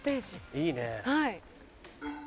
いいね。